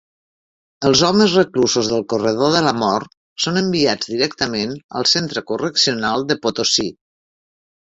Els homes reclusos del corredor de la mort són enviats directament al Centre Correccional de Potosí.